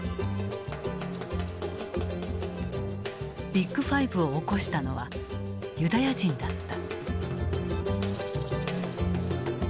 「ビッグファイブ」を興したのはユダヤ人だった。